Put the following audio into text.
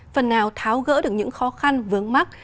phần nào tháo gỡ được những khó khăn vướng mắt